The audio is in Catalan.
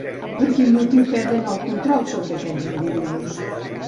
Per quin motiu perden el control sobre aquests individus?